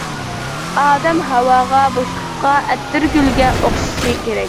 ئادەم ھاۋاغا، بوشلۇققا، ئەتىرگۈلگە ئوخشىشى كېرەك.